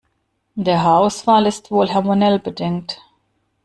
Der Haarausfall ist wohl hormonell bedingt.